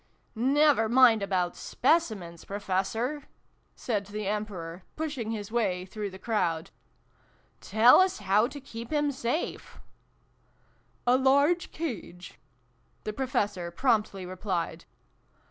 " Never mind about Specimens, Professor !" said the Emperor, pushing his way through the crowd. " Tell us how to keep him safe !"" A large cage !" the Professor promptly re plied.